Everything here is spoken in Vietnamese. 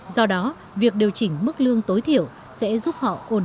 do đó việc điều chỉnh mức lương tối thiểu sẽ giúp họ ổn định